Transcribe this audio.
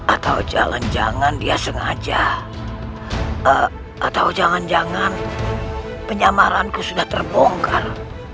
atau jangan jangan dia sengaja atau jangan jangan penyamaranku sudah terbongkar